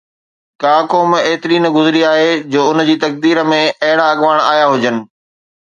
ڪا قوم ايتري نه گذري آهي جو ان جي تقدير ۾ اهڙا اڳواڻ آيا هجن.